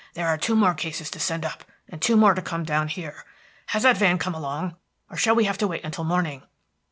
"There are two more cases to send up, and two more to come down here. Has that van come along, or shall we have to wait until morning?"